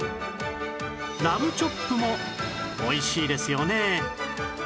ラムチョップも美味しいですよね